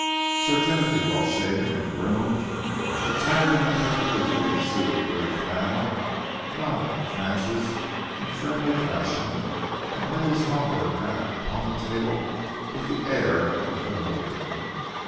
Sir Timothy, well shaven and groomed, attired in a perfectly fitting suit of grey flannel, nodded to Francis in friendly fashion and laid his Homburg hat upon the table with the air of a familiar.